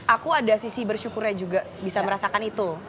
aku ada sisi bersyukurnya juga bisa merasakan itu